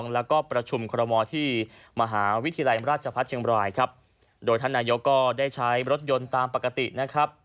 แล้วก็ประชุมคอรมอลที่มหาวิทยาลัยราชพัฒนเชียงบรายครับโดยท่านนายกก็ได้ใช้รถยนต์ตามปกตินะครับ